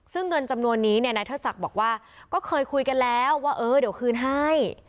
ซึ่งเงินจำนวนนี้เนี่ยนายเทิดศักดิ์บอกว่าก็เคยคุยกันแล้วว่าเออเดี๋ยวคืนให้